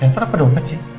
handphone apa dong makcik